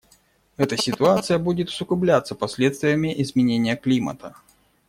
Эта ситуация будет усугубляться последствиями изменения климата.